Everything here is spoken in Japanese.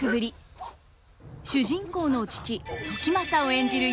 主人公の父時政を演じる